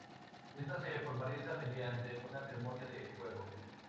Esta se formaliza mediante una ceremonia de fuego.